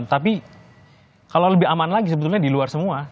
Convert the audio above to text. tapi kalau lebih aman lagi sebetulnya di luar semua